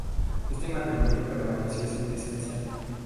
Este matrimonio permaneció sin descendencia.